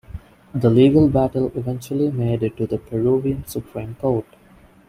The legal battle eventually made it to the Peruvian Supreme Court.